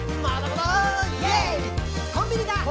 「コンビニだ！